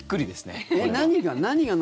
何が？